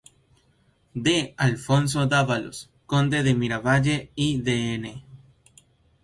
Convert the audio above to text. D. Alfonso Dávalos, conde de Miravalle y Dn.